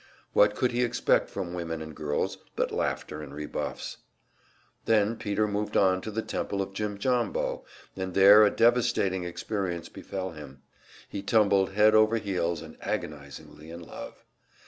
What could he expect from women and girls but laughter and rebuffs? Then Peter moved on to the Temple of Jimjambo, and there a devastating experience befell him he tumbled head over heels and agonizingly in love.